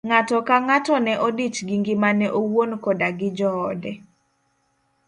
Ng'ato ka ng'ato ne odich gi ngimane owuon koda gi joode.